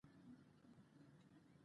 نه زور مــني نه عـذر نـه زارۍ بلا وهـلې.